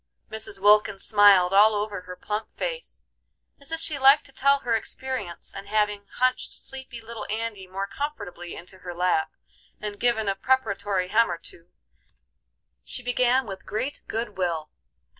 Mrs. Wilkins smiled all over her plump face, as if she liked to tell her experience, and having hunched sleepy little Andy more comfortably into her lap, and given a preparatory hem or two, she began with great good will.